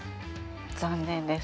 残念です。